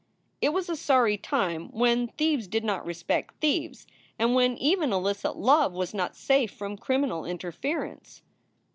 It was a sorry time when thieves did not respect thieves and when even illicit love was not safe from criminal inter ference.